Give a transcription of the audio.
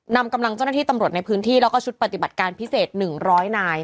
นำกำลังเจ้าหน้าที่ตำรวจในพื้นที่แล้วก็ชุดปฏิบัติการพิเศษ๑๐๐นาย